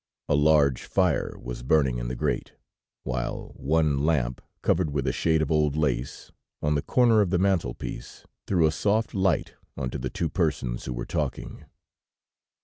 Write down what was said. A large fire was burning in the grate, while one lamp, covered with a shade of old lace, on the corner of the mantel piece threw a soft light onto the two persons who were talking.